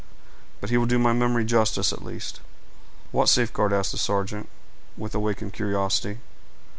But he will do my memory justice at least." "What safeguard?" asked the sergeant, with awakened curiosity.